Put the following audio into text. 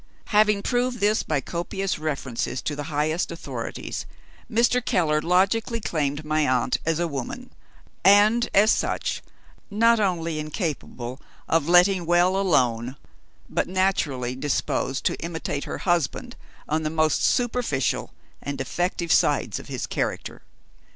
Having proved this by copious references to the highest authorities, Mr. Keller logically claimed my aunt as a woman, and, as such, not only incapable of "letting well alone," but naturally disposed to imitate her husband on the most superficial and defective sides of his character.